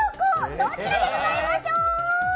どちらでございましょう？